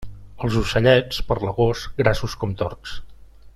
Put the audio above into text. Els ocellets, per l'agost, grassos com tords.